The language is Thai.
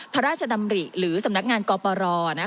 พระราชดำริหรือสำนักงานกปร